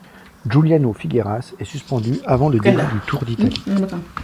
Giuliano Figueras est suspendu avant le début du Tour d'Italie.